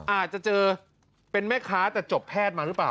อาจจะเจอเป็นแม่ค้าแต่จบแพทย์มาหรือเปล่า